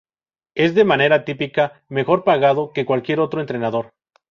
Es de manera típica, mejor pagado que cualquier otro entrenador.